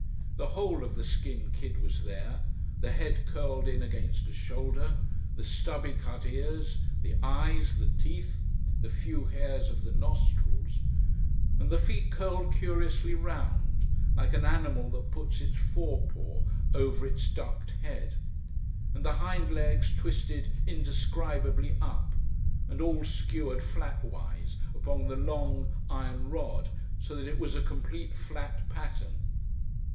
The whole of the skinned kid was there, the head curled in against a shoulder, the stubby cut ears, the eyes, the teeth, the few hairs of the nostrils: and the feet curled curiously round, like an animal that puts its fore paw over its ducked head: and the hind legs twisted indescribably up: and all skewered flat wise upon the long iron rod, so that it was a complete flat pattern.